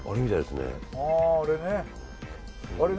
ああれね。